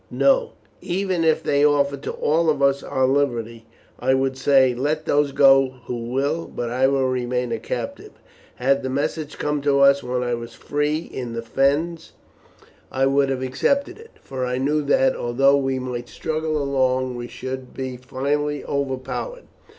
No, even if they offered to all of us our liberty, I would say, let those go who will, but I remain a captive. Had the message come to us when I was free in the Fens I would have accepted it, for I knew that, although we might struggle long, we should be finally overpowered.